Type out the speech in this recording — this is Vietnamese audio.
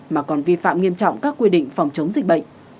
mà còn vi phạm nghiêm trọng các quy định phòng chống dịch bệnh